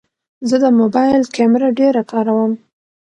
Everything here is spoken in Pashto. زه د موبایل کیمره ډېره کاروم.